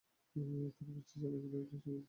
তবে বিচি চালের থেকে অনেক ছোট চিকন এবং লম্বাটে।